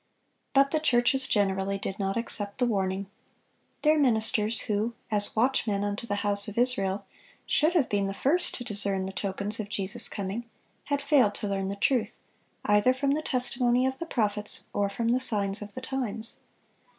But the churches generally did not accept the warning. Their ministers, who, as "watchmen unto the house of Israel," should have been the first to discern the tokens of Jesus' coming, had failed to learn the truth, either from the testimony of the prophets or from the signs of the times.